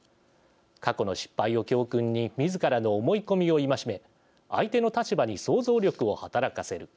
過去の失敗を教訓にみずからの思い込みを戒め相手の立場に想像力を働かせる。